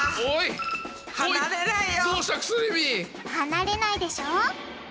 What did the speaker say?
離れないでしょう？